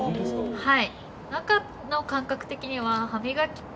はい。